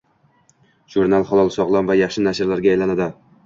Jurnal halol, sog’lom va yaxshi nashrga aylanadi.